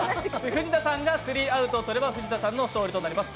藤田さんがスリーアウトをとれば藤田さんの勝利です。